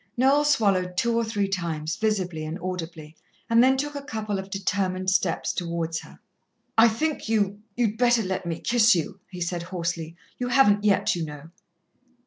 Noel swallowed two or three times, visibly and audibly, and then took a couple of determined steps towards her. "I think you you'd better let me kiss you," he said hoarsely. "You haven't yet, you know."